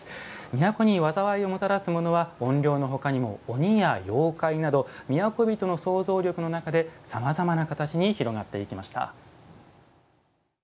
都に災いをもたらすものは怨霊のほかにも鬼や妖怪など都人の想像力の中でさまざまな形に広がっていきました。